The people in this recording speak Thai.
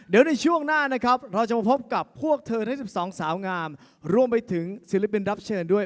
เดี๋ยวในช่วงหน้านะครับเราจะมาพบกับพวกเธอทั้ง๑๒สาวงามรวมไปถึงศิลปินรับเชิญด้วย